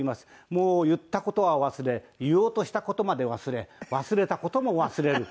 もう言った事は忘れ言おうとした事まで忘れ忘れた事も忘れる。